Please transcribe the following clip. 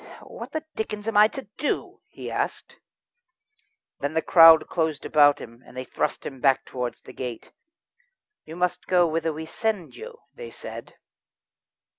"What the dickens am I to do?" he asked. Then the crowd closed about him, and thrust him back towards the gate. "You must go whither we send you," they said.